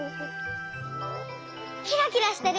キラキラしてる。